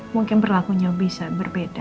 mungkin berlakunya bisa berbeda